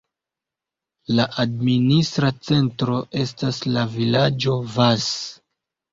La administra centro estas la vilaĝo Vas.